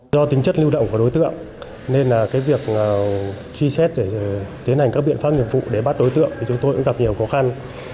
do tính chất lưu động của đối tượng nên việc truy xét tiến hành các biện pháp nghiệp vụ để bắt đối tượng thì chúng tôi cũng gặp nhiều khó khăn